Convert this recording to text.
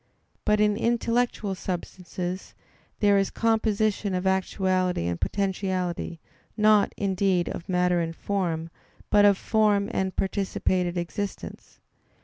But in intellectual substances there is composition of actuality and potentiality, not, indeed, of matter and form, but of form and participated existence.